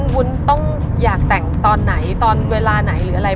วุ้นต้องอยากแต่งตอนไหนตอนเวลาไหนหรืออะไร